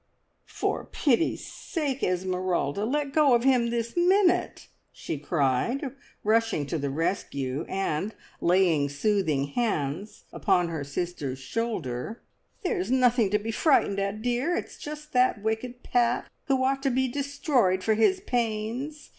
"For pity's sake, Esmeralda, let go of him this minute!" she cried, rushing to the rescue, and laying soothing hands upon her sister's shoulder. "There's nothing to be frightened at, dear; it's just that wicked Pat, who ought to be destroyed for his pains.